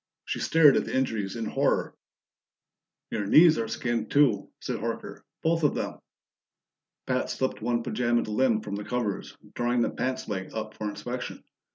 She stared at the injuries in horror. "Your knees are skinned, too," said Horker. "Both of them." Pat slipped one pajamaed limb from the covers, drawing the pants leg up for inspection.